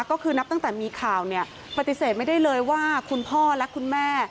ก็คือนับตั้งแต่มีข่าวเนี่ยปฏิเสธไม่ได้เลยว่าคุณพ่อและคุณแม่